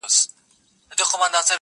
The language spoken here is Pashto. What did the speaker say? د بوډا پر اوږو غبرګي د لمسیو جنازې دي -